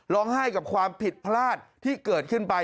ร้องไห้กับความผิดพลาดที่เกิดขึ้นไป